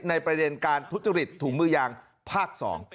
ประเด็นการทุจริตถุงมือยางภาค๒